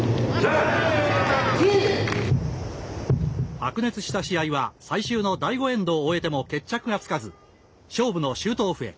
白熱した試合は、最終の第５エンドを終えても決着がつかず勝負のシュートオフへ。